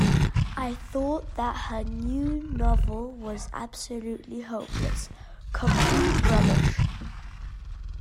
I thought that her new novel was absolutely hopeless. Complete rubbish